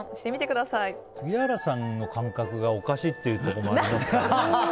杉原さんの感覚がおかしいというところがありますからね。